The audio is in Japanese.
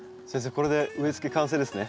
これで植えつけ完成ですね。